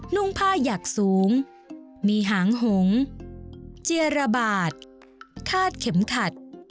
นุ่งผ้าหยักสูงมีหางหงเจียระบาดคาดเข็มขัด